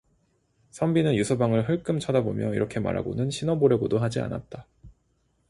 선비는 유서방을 흘금 쳐다보며 이렇게 말하고는 신어 보려고도 하지 않았다.